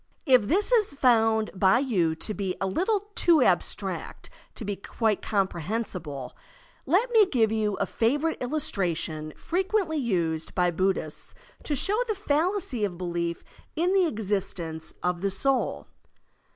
If this is found by you to be a little too abstract to be quite comprehensible, let me give you a favorite illustration frequently used by Buddhists to show the fallacy of belief in the existence of the soul.